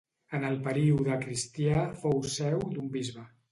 En el període cristià fou seu d'un bisbe.